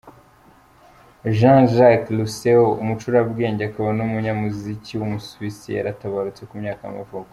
Jean-Jacques Rousseau, umucurabwenge, akaba n’umunyamuziki w’umusuwisi yaratabarutse, ku myaka y’amavuko.